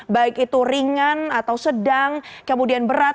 baik itu ringan atau sedang kemudian berat